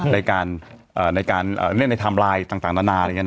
ในการเล่นในไทม์ไลน์ต่างตอนนาน